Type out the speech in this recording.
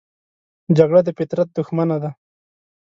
جګړه د فطرت دښمنه ده